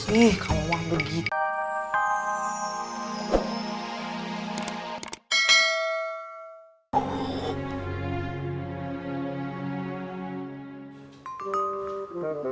ih kamu mampu gitu